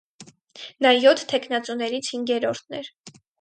Նա յոթ թեկնածուներից հինգերորդն էր։